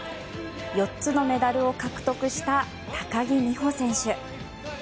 ４つのメダルを獲得した高木美帆選手。